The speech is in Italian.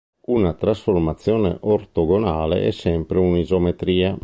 Una trasformazione ortogonale è sempre un'isometria.